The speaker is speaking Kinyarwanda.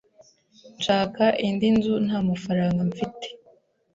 nshaka indi nzu nta mafaranga mfite,